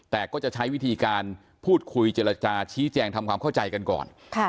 แต่ก็จะใช้วิธีการพูดคุยเจรจาชี้แจงทำความเข้าใจกันก่อน